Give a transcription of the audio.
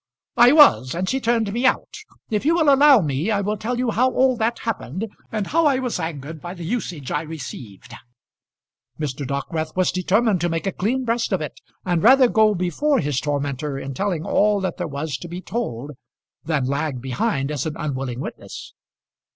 "I was; and she turned me out. If you will allow me I will tell you how all that happened, and how I was angered by the usage I received." Mr. Dockwrath was determined to make a clean breast of it, and rather go before his tormentor in telling all that there was to be told, than lag behind as an unwilling witness.